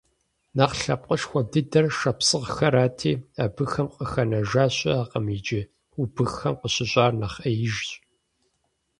Нэхъ лъэпкъышхуэ дыдэр шапсыгъхэрати, абыхэм къахэнэжа щыӀэкъым иджы, убыххэм къащыщӀар нэхъ Ӏеижщ.